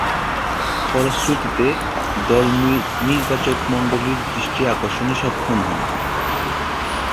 ফলশ্রুতিতে, দল নির্বাচকমণ্ডলীর দৃষ্টি আকর্ষণে সক্ষম হন।